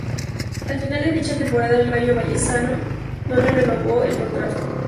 Al final de dicha temporada el Rayo Vallecano no le renovó el contrato.